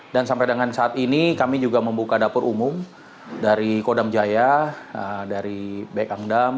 dan sampai dengan saat ini kami juga membuka dapur umum dari kodam jaya dari bekangdam